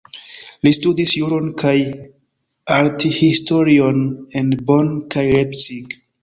Li studis juron kaj arthistorion en Bonn kaj Leipzig.